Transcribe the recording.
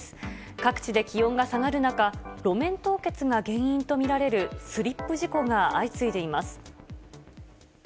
各地で気温が下がる中、路面凍結が原因と見られるスリップ事故が相次いでいます。